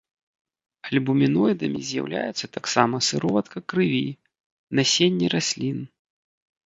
Альбуміноідамі з'яўляюцца таксама сыроватка крыві, насенне раслін.